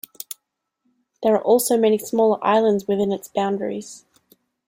There are also many smaller islands within its boundaries.